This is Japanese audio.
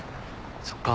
そっか。